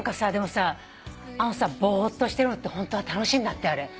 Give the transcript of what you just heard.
でもさぼーっとしてるのってホントは楽しいんだって。